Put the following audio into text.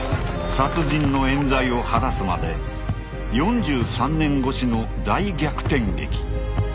殺人のえん罪を晴らすまで４３年越しの大逆転劇。